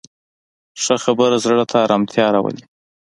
ښه خبره زړه ته ارامتیا راولي